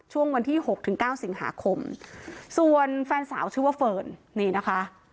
ช่วงวันที่หกถึงเก้าสิงหาคมส่วนแฟนสาวชื่อว่าเฟิร์นนี่นะคะ